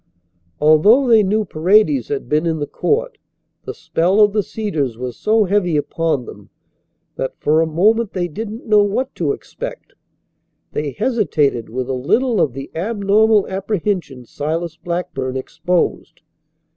Although they knew Paredes had been in the court the spell of the Cedars was so heavy upon them that for a moment they didn't know what to expect. They hesitated with a little of the abnormal apprehension Silas Blackburn exposed.